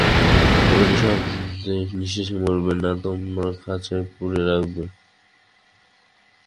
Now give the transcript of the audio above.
একেবারে নিঃশেষে মারবে, না তোমার খাঁচায় পুরে রাখবে?